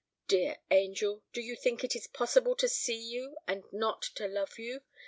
Dear angel, do you think it is possible to see you and not to love you?